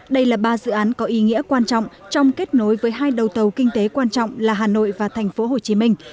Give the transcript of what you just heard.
đây là ba dự án có ý nghĩa quan trọng trong kết nối với hai đầu tàu kinh tế quan trọng là hà nội và thành phố hồ chí minh